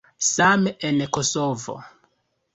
Same en Kosovo.